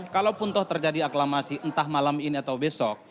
kalaupun toh terjadi aklamasi entah malam ini atau besok